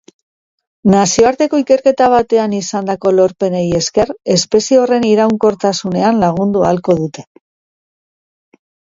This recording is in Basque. Nazioarteko ikerketa batean izandako lorpenei esker, espezie horren iraunkortasunean lagundu ahalko dute.